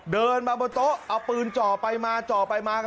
เดินมาบนโต๊ะเอาปืนจ่อไปมาจ่อไปมา